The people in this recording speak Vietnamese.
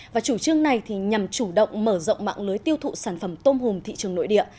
và chủ trương này nhằm chủ động mở rộng mạng lưới tiêu thụ sản phẩm tôm hùm thị trường nội địa